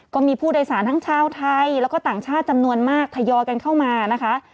ก็มีผู้โดยสารทั้งชาวไทยแล้วก็ต่างชาติจำนวนมากทยอยกันเข้ามานะคะ